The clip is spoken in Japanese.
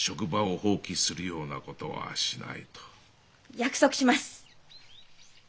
約束します。